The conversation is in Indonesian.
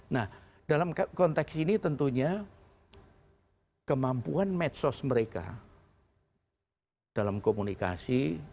nah dalam konteks ini tentunya kemampuan medsos mereka dalam komunikasi